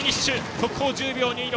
速報１０秒２６。